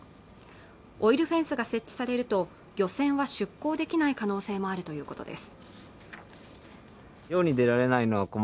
オイルフェンスが設置されると漁船は出港できない可能性もあるということです